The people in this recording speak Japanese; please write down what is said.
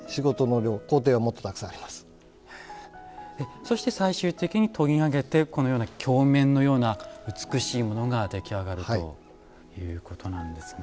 そして最終的に研ぎ上げてこのような鏡面のような美しいものが出来上がるということなんですね。